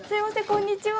こんにちは。